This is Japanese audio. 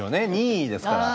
２位ですから。